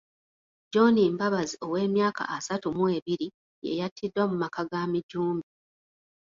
John Mbabazi ow’emyaka asatu mu ebiri ye yattiddwa mu maka ga Mijumbi.